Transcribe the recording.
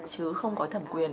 chứ không có thẩm quyền